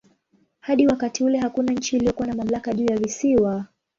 Hadi wakati ule hakuna nchi iliyokuwa na mamlaka juu ya visiwa.